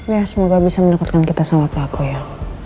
ya semoga bisa mendekatkan kita sama pak koyal